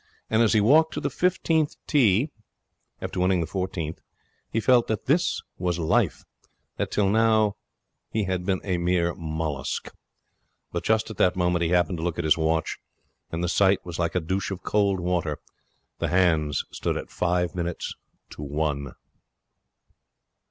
And as he walked to the fifteenth tee, after winning the fourteenth, he felt that this was Life, that till now he had been a mere mollusc. Just at that moment he happened to look at his watch, and the sight was like a douche of cold water. The hands stood at five minutes to one.